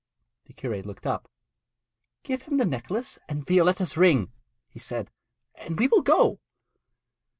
The curate looked up. 'Get him the necklace and Violetta's ring,' he said, 'and we will go.'